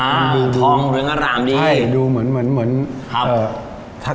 มันดูดูทองหรืองรามดีใช่ดูเหมือนเหมือนเหมือนครับ